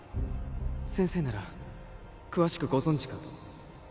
先生なら詳しくご存じかと